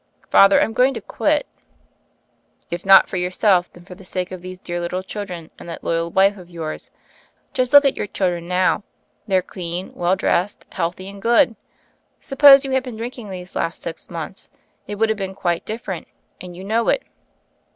"Father, I'm going to quit." "If not for yourself, then for the sake of these dear little children and that loyal wife of yours. Just look at your children now. They are clean, well dressed, healthy, and good. Sup pose you had been drinking these last six months, it would be quite different, and you know it.